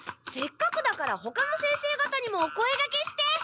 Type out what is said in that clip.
せっかくだからほかの先生方にもお声がけして！